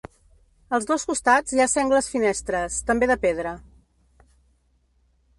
Als dos costats hi ha sengles finestres, també de pedra.